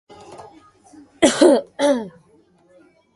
Players already on sponsorship lists were ineligible.